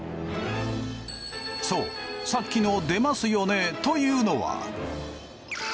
そうさっきの「出ますよね」というのは。